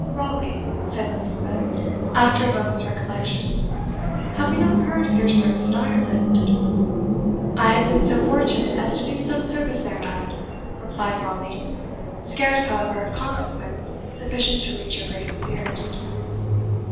"Raleigh?" said Elizabeth, after a moment's recollection. "Have we not heard of your service in Ireland?" "I have been so fortunate as to do some service there, madam," replied Raleigh; "scarce, however, of consequence sufficient to reach your Grace's ears."